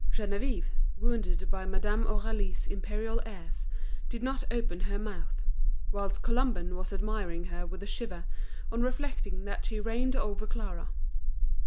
Geneviève, wounded by Madame Aurélie's imperial airs, did not open her mouth; whilst Colomban was admiring her with a shiver, on reflecting that she reigned over Clara.